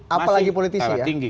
apalagi politisi ya